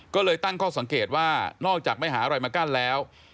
ก็เลยตั้งข้อสังเกตว่านอกจากไม่หาอะไรมากั้นแล้ว